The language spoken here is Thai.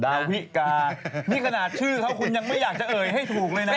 ดาวิกานี่ขนาดชื่อเขาคุณยังไม่อยากจะเอ่ยให้ถูกเลยนะ